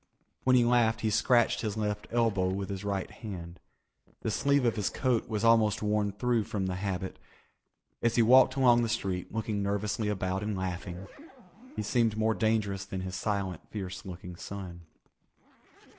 When he laughed he scratched his left elbow with his right hand. The sleeve of his coat was almost worn through from the habit. As he walked along the street, looking nervously about and laughing, he seemed more dangerous than his silent, fierce looking son.